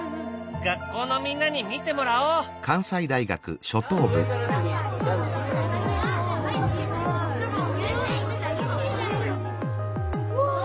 学校のみんなに見てもらおう！わあ！